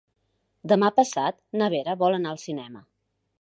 Demà passat na Vera vol anar al cinema.